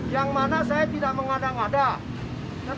yang mana saya tidak mengadang ada